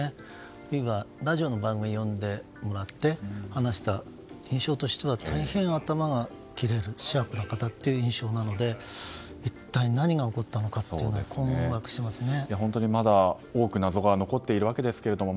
あとはラジオの番組に呼んでもらって話した印象としては大変頭が切れるシャープな方という印象なので一体何が起こったのかというのは本当にまだ多く謎が残っているわけですけども